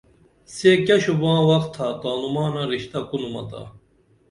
سے کیہ شوباں وخ تھا تانومانہ رشتہ کُنُمتا